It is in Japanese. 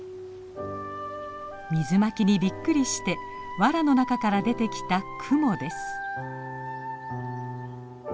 水まきにびっくりしてわらの中から出てきたクモです。